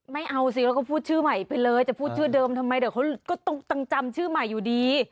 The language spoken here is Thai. ไม่เอาสิแล้วก็พูดชื่อใหม่ไปเลยจะพูดชื่อเดิมทำไมเดี๋ยวเขาก็ต้องจำชื่อใหม่อยู่ดี